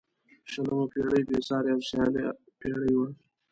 شلمه پيړۍ بې سیارې او سیاله پيړۍ وه.